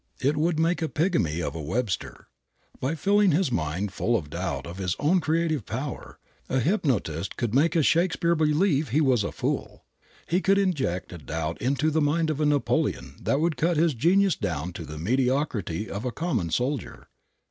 It would make a pigmy of a Webster. By filling his mind full of doubt of his own creative power, a hypnotist could make a Shakespeare believe he was a fool. He could inject a doubt into the mind of a Napoleon that would cut his genius down to the mediocrity of a common soldier.